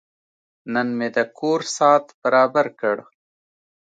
نن مې د کور ساعت برابر کړ.